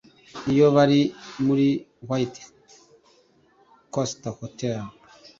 iyo bari muri White Castle Hotel